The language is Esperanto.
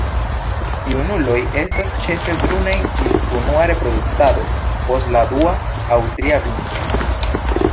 Junuloj estas ĉefe brunaj ĝis unua reproduktado post la dua aŭ tria vintro.